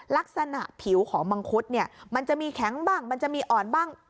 ลักษณะผิวของมังคุดเนี่ยมันจะมีแข็งบ้างมันจะมีอ่อนบ้าง